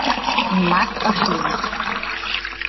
Нимат ыш лий.